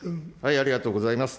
ありがとうございます。